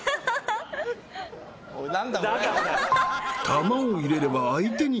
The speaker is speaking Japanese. ［球を入れれば相手にイタズラ］